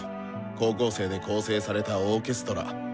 高校生で構成されたオーケストラ。